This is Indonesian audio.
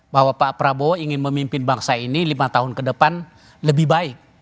bahwa pak prabowo ingin memimpin bangsa ini lima tahun ke depan lebih baik